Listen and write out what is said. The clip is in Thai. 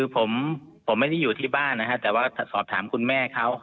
ผมไม่ได้อยู่ที่บ้านนะครับแต่ว่าสอบถามคุณแม่เขา